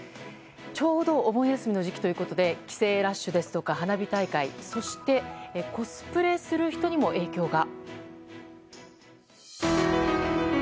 ちょうどお盆休みの時期ということで帰省ラッシュですとか花火大会そしてコスプレする人にも影響が。